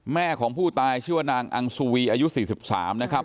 แม่ของผู้ตายชื่อว่านางอังสุวีอายุ๔๓นะครับ